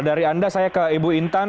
dari anda saya ke ibu intan